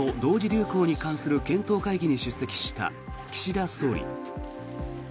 流行に関する検討会議に出席した岸田総理。